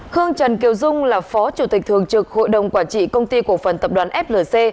khương trần kiều dung là phó chủ tịch thường trực hội đồng quản trị công ty cổ phần tập đoàn flc